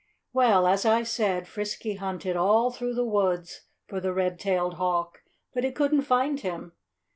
Well, as I said, Frisky hunted all through the woods for the red tailed hawk. But he couldn't find him.